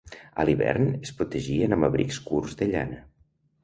A l'hivern es protegien amb abrics curts de llana.